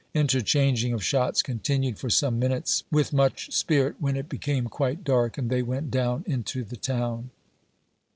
Interchanging of shots continued for some minutes, with much spirit, when it became quite dark, and they went down into the town.